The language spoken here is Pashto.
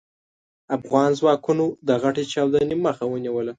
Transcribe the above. افغان ځواکونو د غټې چاودنې مخه ونيوله.